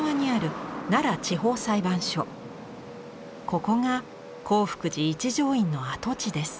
ここが興福寺一乗院の跡地です。